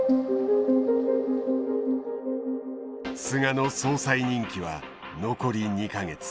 菅の総裁任期は残り２か月。